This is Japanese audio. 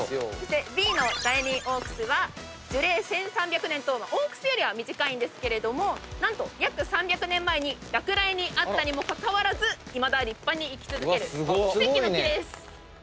Ｂの第二大楠は樹齢１，３００年と大楠よりは短いんですけれども何と約３００年前に落雷に遭ったにもかかわらずいまだ立派に生き続ける奇跡の木です。